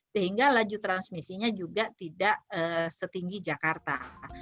sehingga laju transmisinya juga tidak setinggi jakarta